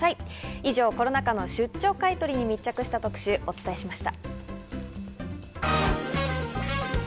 以上、コロナ禍の出張買い取りに密着した特集をお伝えしました。